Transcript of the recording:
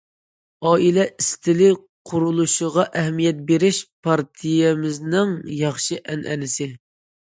ئائىلە ئىستىلى قۇرۇلۇشىغا ئەھمىيەت بېرىش پارتىيەمىزنىڭ ياخشى ئەنئەنىسى.